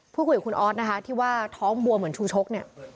พูดคุยกับคุณที่ว่าท้องบัวเหมือนชู้โชค